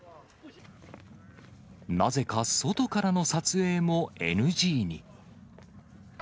なぜか外からの撮影もＮＧに。